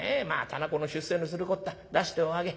店子の出世のするこった出しておあげ。